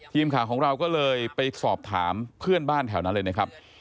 ทีมข่าวของเราก็เลยไปสอบถามเพื่อนบ้านแถวนั้นเลยนะครับ